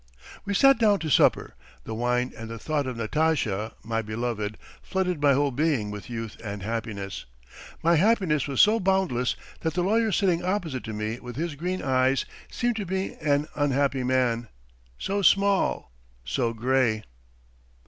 "We sat down to supper. The wine and the thought of Natasha, my beloved, flooded my whole being with youth and happiness. My happiness was so boundless that the lawyer sitting opposite to me with his green eyes seemed to me an unhappy man, so small, so grey.